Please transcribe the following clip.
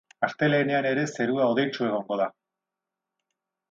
Astelehenean ere zerua hodeitsu egongo da.